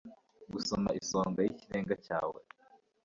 Gusoma isonga ryikirenge cyawe